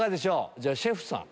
じゃあシェフさん。